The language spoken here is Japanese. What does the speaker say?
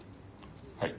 はい。